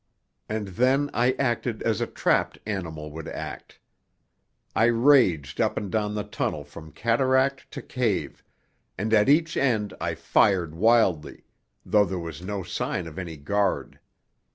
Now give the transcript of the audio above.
And then I acted as a trapped animal would act. I raged up and down the tunnel from cataract to cave, and at each end I fired wildly, though there was no sign of any guard.